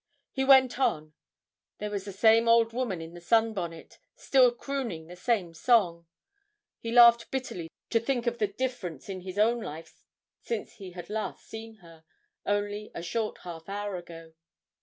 He went on; there was the same old woman in the sun bonnet, still crooning the same song; he laughed bitterly to think of the difference in his own life since he had last seen her only a short half hour ago.